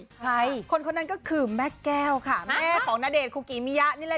พี่เมียคนคนนั้นก็คือแม่แก้วค่ะแม่ของนาเดชคุ้กอีมี้ยะนี่แหละ